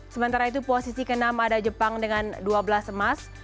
sementara itu posisi ke enam ada jepang dengan dua belas emas